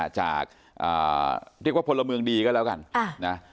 จากเรียกว่าพลเมืองดีก็แล้วกันนะ